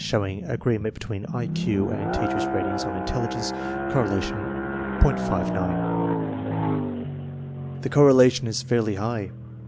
SHOWING AGREEMENT BETWEEN I Q AND TEACHERS* RATINGS ON INTELLIGENCE. (Correlation .59) The correlation is fairly high.